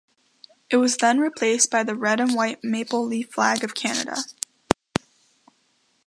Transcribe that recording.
It was then replaced by the red and white maple leaf Flag of Canada.